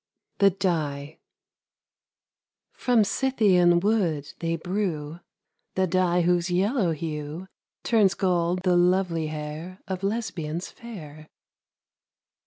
THE DYE From Scythian wood they brew The dye whose yellow hue Turns gold the lovely hair Of Lesbians fair.